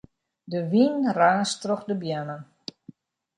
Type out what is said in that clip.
De wyn raast troch de beammen.